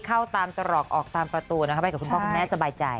เข้าตามตรอกออกตามประตูนะคะไปกับคุณพ่อคุณแม่สบายใจ